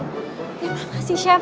terima kasih chef